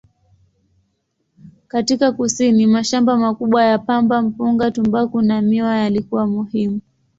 Katika kusini, mashamba makubwa ya pamba, mpunga, tumbaku na miwa yalikuwa muhimu.